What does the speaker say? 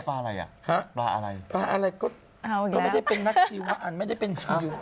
ปลาอะไรอ่ะปลาอะไรปลาอะไรก็ก็ไม่ได้เป็นนักชิวไม่ได้เป็นคุณอยู่